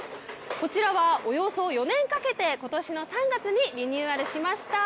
こちらはおよそ４年かけて、今年３月にリニューアルしました。